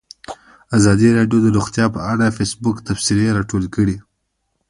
ازادي راډیو د روغتیا په اړه د فیسبوک تبصرې راټولې کړي.